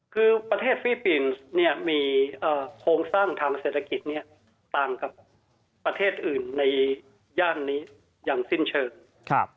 คือประเทศฟิลิปปินส์เนี่ยมีโครงสร้างทางเศรษฐกิจเนี่ยต่างกับประเทศอื่นในย่านนี้อย่างสิ้นเชิงครับ